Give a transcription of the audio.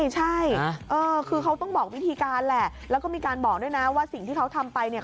ใช่คือเขาต้องบอกวิธีการแหละแล้วก็มีการบอกด้วยนะว่าสิ่งที่เขาทำไปเนี่ย